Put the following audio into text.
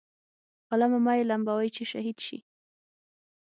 عالمه مه یې لمبوئ چې شهید شي.